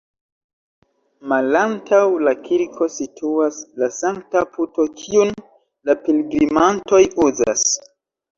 Malantaŭ la kirko situas la sankta puto, kiun la pilgrimantoj uzas.